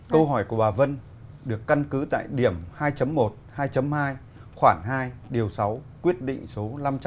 câu hỏi của bà vân được căn cứ tại điểm hai một hai hai khoản hai điều sáu quyết định số năm trăm chín mươi năm